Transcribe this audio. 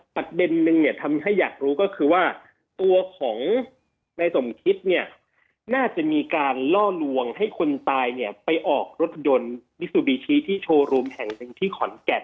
ปัจเบนหนึ่งทำให้อยากรู้ก็คือว่าตัวของนายสมคิตน่าจะมีการล่อลวงให้คนตายไปออกรถยนต์วิสุบิธีที่โชว์รูมแห่งที่ขอนแก่น